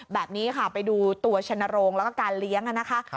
แบบนี้ค่ะไปดูตัวชนโรงแล้วก็การเลี้ยงนะคะ